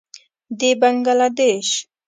د بنګله دېش.